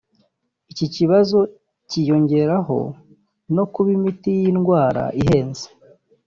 Iki kibazo cyiyongeraho no kuba imiti y’iyi ndwara ihenze